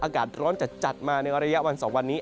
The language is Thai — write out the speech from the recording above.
อากาศร้อนจัดมาในระยะวัน๒วันนี้